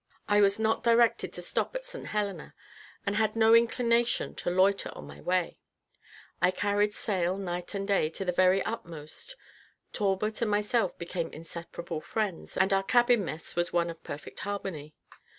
I was not directed to stop at St Helena, and had no inclination to loiter on my way. I carried sail night and day to the very utmost. Talbot and myself became inseparable friends, and our cabin mess was one of perfect harmony.